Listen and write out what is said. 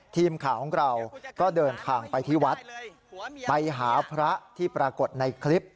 ทีมข่าวของเราก็เดินทางไปที่วัดไปหาพระที่ปรากฏในคลิป